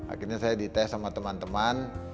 akhirnya saya dites sama teman teman